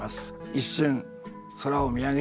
一瞬空を見上げた。